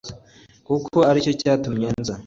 kuko ari cyo cyatumye nza